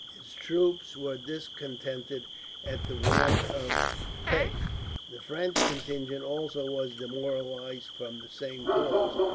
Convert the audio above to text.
His troops were discontented at the want of pay. The French contingent also was demoralized, from the same cause.